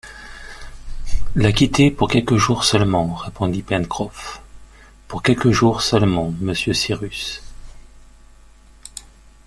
La quitter pour quelques jours seulement, répondit Pencroff, pour quelques jours seulement, monsieur Cyrus